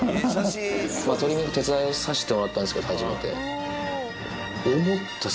トリミング手伝わさせてもらったんですけど、初めて。